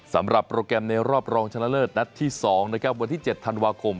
สำหรับโปรแกรมในรอบรองชนะเลิศนัดที่๒นะครับวันที่๗ธันวาคม